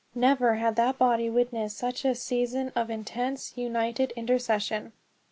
Never had that body witnessed such a season of intense, united intercession.